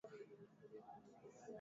m coro ni waziri mkuu wa cote divoire